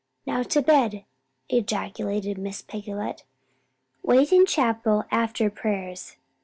"Now to bed!" ejaculated Miss Picolet. "Wait in chapel after prayers.